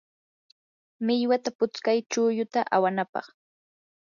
millwata putskay chulluta awanapaq.